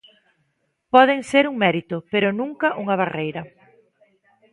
Poden ser un mérito, pero nunca unha barreira.